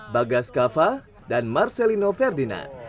bagas kava dan marcelino ferdinand